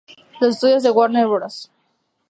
Los estudios de Warner Bros.